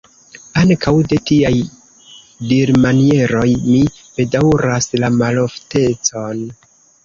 Ankaŭ de tiaj dirmanieroj mi bedaŭras la maloftecon.